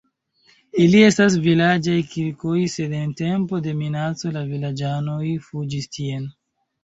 Ili estas vilaĝaj kirkoj, sed en tempo de minaco la vilaĝanoj fuĝis tien.